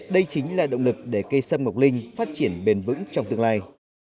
đây chính là động lực để cây sâm ngọc linh phát triển bền vững trong tương lai